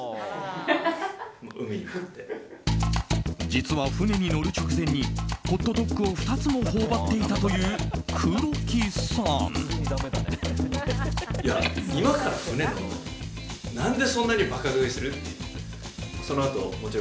実は船に乗る直前にホットドッグを２つも頬張っていた黒木さん。